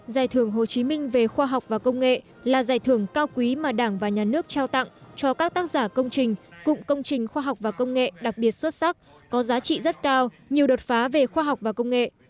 giải thưởng hồ chí minh về khoa học và công nghệ là giải thưởng cao quý mà đảng và nhà nước trao tặng cho các tác giả công trình cụm công trình khoa học và công nghệ đặc biệt xuất sắc có giá trị rất cao nhiều đột phá về khoa học và công nghệ